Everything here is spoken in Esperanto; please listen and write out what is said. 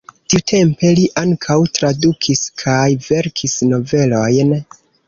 Tiutempe li ankaŭ tradukis kaj verkis novelojn.